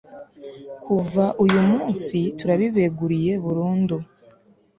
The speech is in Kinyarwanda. kuva uyu munsi turabibeguriye burundu